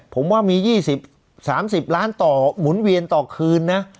ผมว่ามี๒๐๓๐ล้านต่อหมุนเวียนต่อคืนนะ